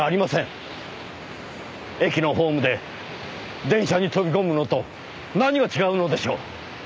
駅のホームで電車に飛び込むのと何が違うのでしょう？